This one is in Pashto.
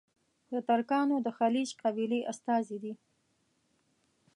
د ترکانو د خیلیچ قبیلې استازي دي.